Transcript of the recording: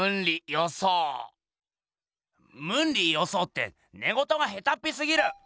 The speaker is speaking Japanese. ムンリ・ヨソーってねごとがへたっぴすぎる！